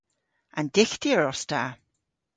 An dyghtyer os ta.